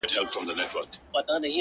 • ویل زه که یو ځل ولاړمه ورکېږم,